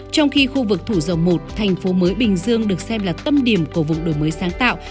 trong khi khu vực thủ dầu một thành phố mới bình dương được xem là tâm điểm của vùng đổi mới sáng tạo